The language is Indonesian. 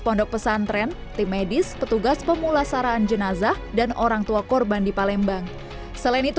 pondok pesantren tim medis petugas pemulasaraan jenazah dan orangtua korban di palembang selain